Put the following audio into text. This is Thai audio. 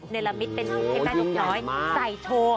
เนรมดิสต์เป็นรูปน้อยใส่โท